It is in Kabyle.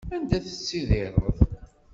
Anda tettttidiṛeḍ?